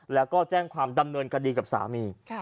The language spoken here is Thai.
แล้วก็แจ้งความดำเนินคดีกับสามี